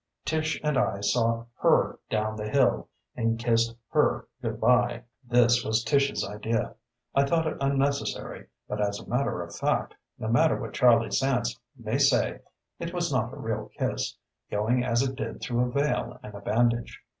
Tish and I saw "her" down the hill and kissed "her" good by. This was Tish's idea. I thought it unnecessary, but as a matter of fact, no matter what Charlie Sands may say, it was not a real kiss, going as it did through a veil and a bandage.